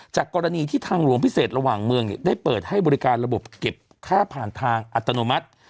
จากกรณีที่ทางหลวงพิเศษระหว่างเมืองได้เปิดให้บริการระบบเก็บค่าผ่านทางอัตโนมัติ